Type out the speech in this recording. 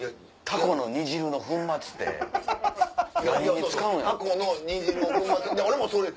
タコの煮汁の粉末って俺も。